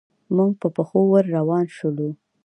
موږ په پښو ور روان شولو.